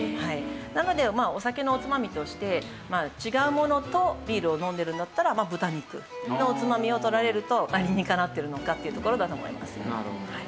なのでお酒のおつまみとして違うものとビールを飲んでるんだったら豚肉のおつまみをとられると理にかなってるのかっていうところだと思います。